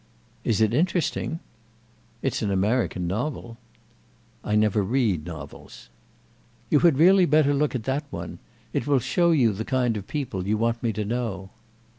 "Is it interesting?" "It's an American novel." "I never read novels." "You had really better look at that one. It will show you the kind of people you want me to know."